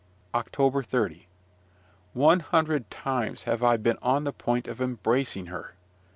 OCTOBER 30. One hundred times have I been on the point of embracing her.